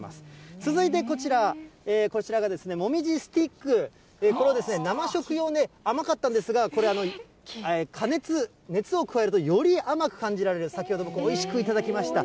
続いてこちら、こちらがもみじスティック、これは生食用ね、甘かったんですが、これ、加熱、熱を加えると、より甘く感じられる、先ほど僕、おいしく頂きました。